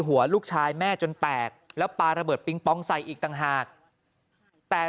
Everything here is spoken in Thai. หัวลูกชายแม่จนแตกแล้วปลาระเบิดปิงปองใส่อีกต่างหากแต่